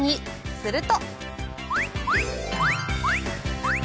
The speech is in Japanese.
すると。